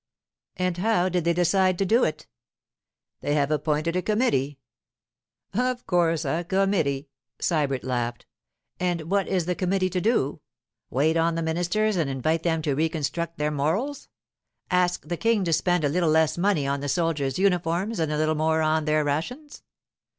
'And how did they decide to do it?' 'They have appointed a committee.' 'Of course a committee!' Sybert laughed. 'And what is the committee to do? Wait on the ministers and invite them to reconstruct their morals? Ask the King to spend a little less money on the soldiers' uniforms and a little more on their rations?